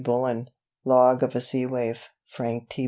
Bullen Log of a Sea Waif Frank T.